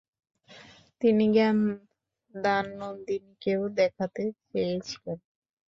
তিনি জ্ঞানদানন্দিনীকেও দেখাতে চেয়েছিলেন।